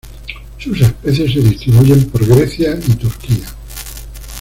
Sus especies se distribuyen por Grecia y Turquía.